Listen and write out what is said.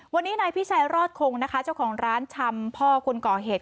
วันนี้นายพิชัยรอดคงนะคะเจ้าของร้านชำพ่อคนก่อเหตุ